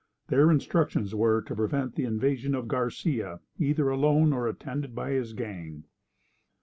Their instructions were to prevent the invasion of Garcia, either alone or attended by his gang.